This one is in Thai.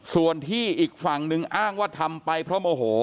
ส่วนที่อีกฝั่งนึงอ้างว่าทำไปเพราะโมโห